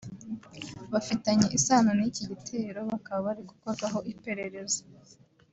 bafitanye isano n’iki gitero bakaba bari gukorwaho iperereza